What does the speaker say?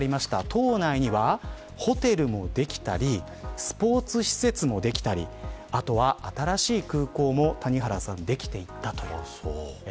島内には、ホテルもできたりスポーツ施設もできたりあとは新しい空港もできていったという。